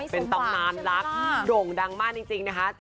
เป็นตำนานรักโด่งดังมากจริงนะคะ